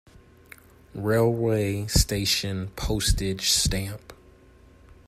Railway station Postage stamp.